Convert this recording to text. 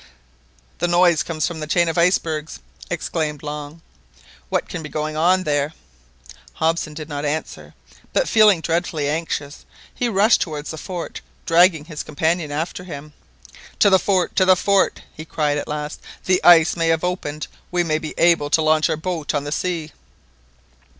"The noise comes from the chain of icebergs," exclaimed Long, "what can be going on there?" Hobson did not answer, but feeling dreadfully anxious he rushed towards the fort dragging his companion after him. "To the fort! to the fort." he cried at last, "the ice may have opened, we may be able to launch our boat on the sea!"